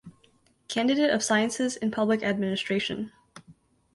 Candidate of Sciences in Public Administration.